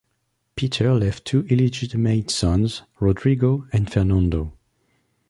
Peter left two illegitimate sons, Rodrigo and Fernando.